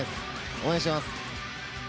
応援してます。